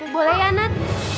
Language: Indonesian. boleh ya nat